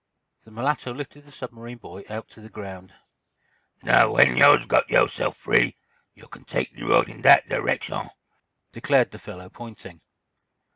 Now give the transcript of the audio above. The mulatto lifted the submarine boy out to the ground. "Now, w'en yo's got yo' se'f free, yo' can take de road in dat direckshun," declared the fellow, pointing.